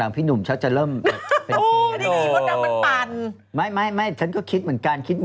ว่าอีโนเป็นอีกพรรณกลิ้น